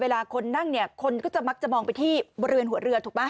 เวลาคนนั่งเนี้ยคนนก็จะมักจะมองไปที่บนเรือนหัวเรือถูกไหม